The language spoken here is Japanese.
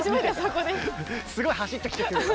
すごい走ってきてくれた。